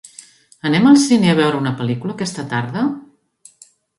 Anem al cine a veure una pel·lícula aquesta tarda?